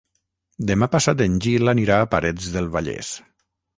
Demà passat en Gil anirà a Parets del Vallès.